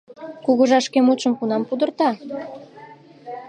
Кугыжа шке мутшым кунам пудырта?